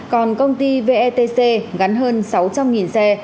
còn công ty vetc gắn hơn sáu trăm linh xe